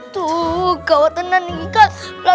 tuh kau tenang nih kak